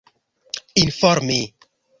informi